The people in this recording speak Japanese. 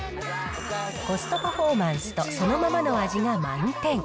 コストパフォーマンスとそのままの味が満点。